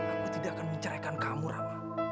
aku tidak akan menceraikan kamu rama